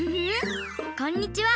こんにちは。